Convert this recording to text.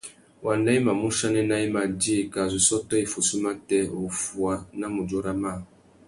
Wanda i mà mù chanena i mà djï kā zu sôtô iffussú matê, wuffuá na mudjúra mâā.